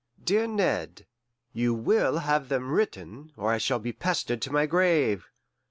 Dear Ned: You will have them written, or I shall be pestered to my grave!